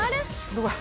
どこや？